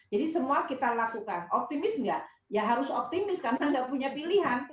jadi semua kita lakukan optimis nggak ya harus optimis karena nggak punya pilihan